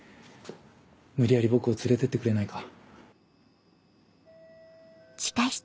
無理やり僕を連れてってくれないか？